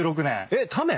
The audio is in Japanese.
えっタメ？